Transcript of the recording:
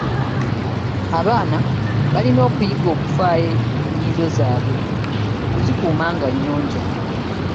Abaana balina okuyiga okufaayo ku nnyindo zaabwe okuzikuuma nga nnyonjo.